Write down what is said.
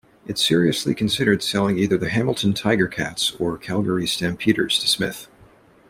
It seriously considered selling either the Hamilton Tiger-Cats or Calgary Stampeders to Smith.